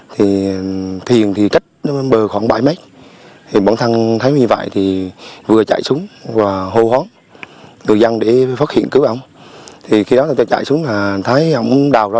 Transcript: thuyền thì cách bờ khoảng bảy mét bọn thăng thấy như vậy thì vừa chạy xuống và hô hót người dân để phát hiện cứu ông